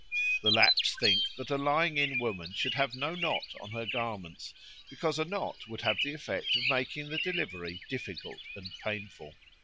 The Lapps think that a lying in woman should have no knot on her garments, because a knot would have the effect of making the delivery difficult and painful.